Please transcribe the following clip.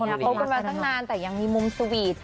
คบกันมาตั้งนานแต่ยังมีมุมสวีท